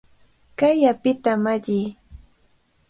¡Kay apita malliy!